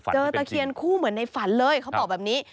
ตะเคียนคู่เหมือนในฝันเลยเขาบอกแบบนี้